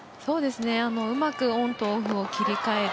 うまくオンとオフを切り替える。